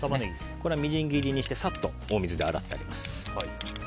これはみじん切りにしてサッとお水で洗ってあります。